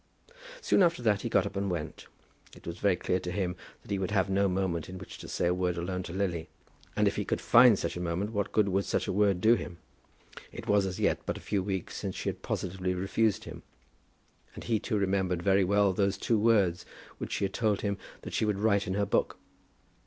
Soon after that he got up and went. It was very clear to him that he would have no moment in which to say a word alone to Lily; and if he could find such a moment, what good would such a word do him? It was as yet but a few weeks since she had positively refused him. And he too remembered very well those two words which she had told him that she would write in her book.